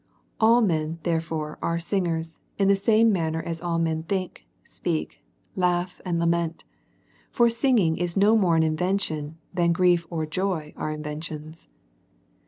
All men, therefore, are singers, in the same man ner as all men think, speak, laugh, and lament. For singing is no more an invention than grief or joy are inventions.